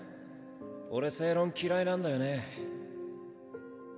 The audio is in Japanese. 俺正論嫌いなんだよ